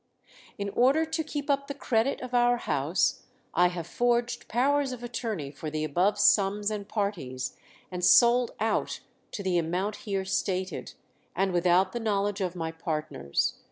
"In order to keep up the credit of our house, I have forged powers of attorney for the above sums and parties, and sold out to the amount here stated, and without the knowledge of my partners.